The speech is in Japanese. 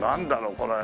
これ。